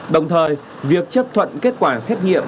đồng thời việc chấp thuận kết quả xét nghiệm